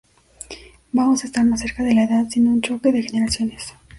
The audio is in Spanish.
Vamos a estar más cerca de la edad, sin un choque de generaciones.